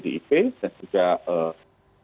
dan juga kaitan memimpin partai bdip